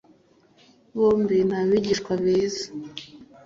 bombi ni abigisha beza